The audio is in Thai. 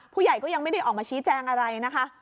ผู้ใหญ่ก็ยังไม่ได้ออกมาชี้แจงอะไรนะคะ